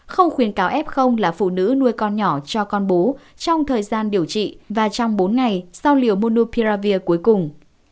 không khuyến cáo ép không là phụ nữ nuôi con nhỏ cho con bú trong thời gian điều trị và trong bốn ngày sau liều monopiravir cuối cùng